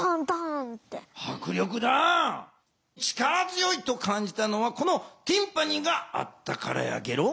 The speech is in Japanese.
力強いと感じたのはこのティンパニがあったからやゲロ。